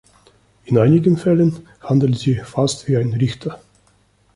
In einigen Fällen handelt sie fast wie ein Richter.